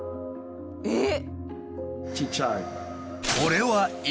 えっ！